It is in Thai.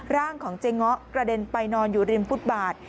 ร่างของเจ๊ง้อกระเด็นไปนอนอยู่ริมฟุตบาท